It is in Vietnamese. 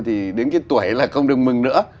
thì đến cái tuổi là không được mừng nữa